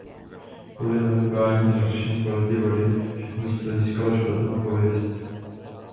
Kvůli zanedbání a zhoršení kvality vody však místo získalo špatnou pověst.